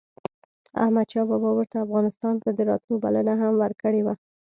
احمد شاه بابا ورته افغانستان ته دَراتلو بلنه هم ورکړې وه